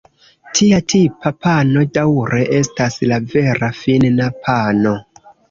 Tia tipa pano daŭre estas la vera finna pano.